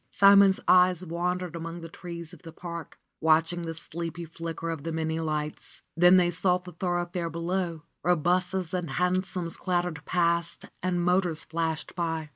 Simon's eyes wandered among the trees of the park, watching the sleepy flicker of the many lights. Then they sought the thoroughfare below, where busses and hansoms clattered past and motors flashed by.